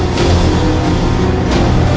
kamu menantu serangga